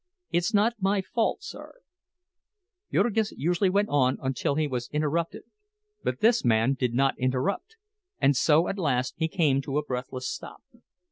It's not my fault, sir—" Jurgis usually went on until he was interrupted, but this man did not interrupt, and so at last he came to a breathless stop.